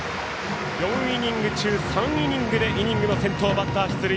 ４イニング中３イニングでイニングの先頭バッター出塁。